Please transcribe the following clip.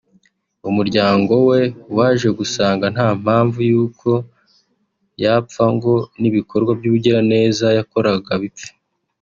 umuryango we waje gusanga nta mpamvu y’uko yapfa ngo n’ibikorwa by’ubugiraneza yakoraga bipfe